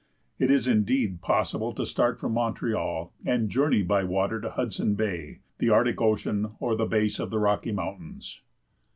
It is indeed possible to start from Montreal and journey by water to Hudson Bay, the Arctic Ocean, or the base of the Rocky Mountains.